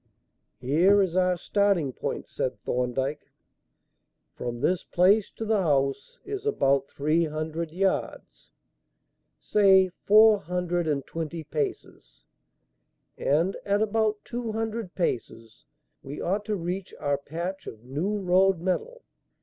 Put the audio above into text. "Here is our starting point," said Thorndyke. "From this place to the house is about three hundred yards say four hundred and twenty paces and at about two hundred paces we ought to reach our patch of new road metal.